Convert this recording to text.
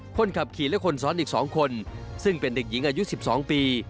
คนขับขี่และคนซ้อนอีก๒คนซึ่งเป็นเด็กหญิงอายุ๑๒ปี